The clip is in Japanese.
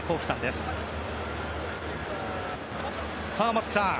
松木さん